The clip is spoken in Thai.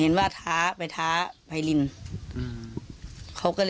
เออนี่เราฮะฟังข่าวนี้แล้วมีคำถามนะ